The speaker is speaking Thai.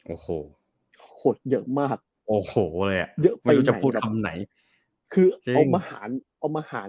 โอ้โหหดเยอะมากโอ้โหอะไรอ่ะเยอะไม่รู้จะพูดคำไหนคือเอามาหารเอามาหาร